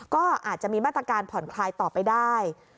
ก็อาจจะมีมาตรการผ่อนคลายต่อไปได้